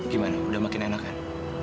gimana udah makin enakan